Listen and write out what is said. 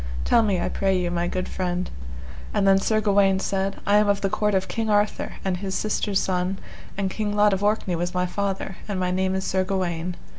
tell me, I pray you, my good friend. And then Sir Gawaine said, I am of the court of King Arthur, and his sister's son, and King Lot of Orkney was my father, and my name is Sir Gawaine.